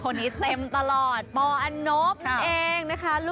คนนี้เต็มตลอดปอนบเองนะคะ